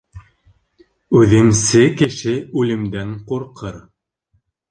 Үҙемсе кеше үлемдән ҡурҡыр.